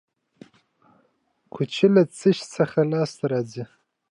کوچ له څه شي لاسته راځي؟